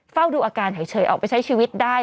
เฝ้าดูอาการเฉยออกไปใช้ชีวิตได้